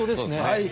はい！